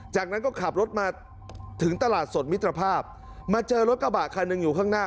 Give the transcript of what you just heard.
จากนั้นก็ขับรถมาถึงตลาดสดมิตรภาพมาเจอรถกระบะคันหนึ่งอยู่ข้างหน้า